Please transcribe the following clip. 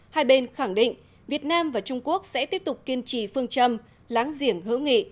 hai bên khẳng định việt nam và trung quốc sẽ tiếp tục kiên trì phương châm láng giềng hữu nghị